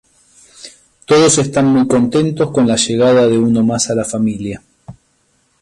Todos están muy contentos con la llegada de uno más a la familia.